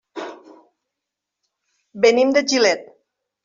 Venim de Gilet.